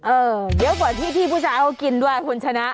เออเยอะกว่าที่พี่ที่ผู้ชายเค้ากินด้วยคุณฉนะ